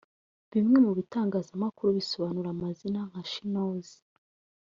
Bimwe mu bitangazamakuru bisobanura amazina nka she knows